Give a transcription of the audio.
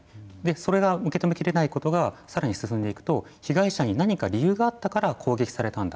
それが受けとめ切れないことがさらに進んでいくと被害者に何か理由があったから攻撃されたんだ